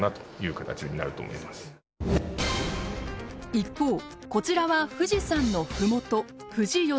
一方こちらは富士山の麓富士吉田市。